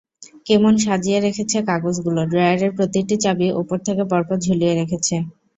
কেমন সাজিয়ে রেখেছে কাগজগুলো, ড্রয়ারের প্রতিটি চাবি ওপর থেকে পরপর ঝুলিয়ে রেখেছে।